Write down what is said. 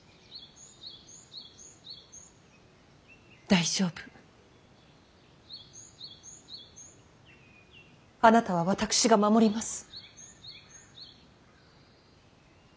大丈夫あなたは私が守ります。